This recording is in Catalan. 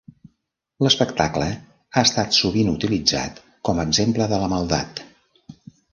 L'espectacle ha estat sovint utilitzat com a exemple de la maldat.